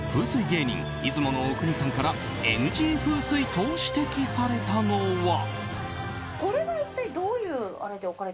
芸人・出雲阿国さんからＮＧ風水と指摘されたのは。